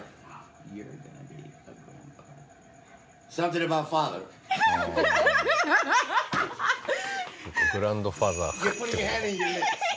グランドファーザーって事か。